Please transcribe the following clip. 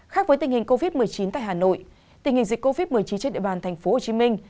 khác với tình hình covid một mươi chín tại hà nội tình hình dịch covid một mươi chín trên địa bàn thành phố hồ chí minh